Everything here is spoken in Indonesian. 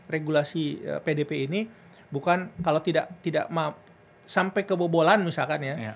regulasi pdp ini bukan kalau tidak sampai kebobolan misalkan ya